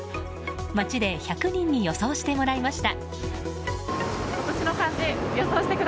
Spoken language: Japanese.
街で、１００人に予想してもらいました。